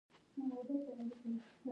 همدا لامل دی چې پرمختللی وي.